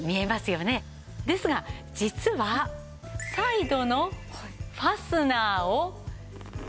ですが実はサイドのファスナーを。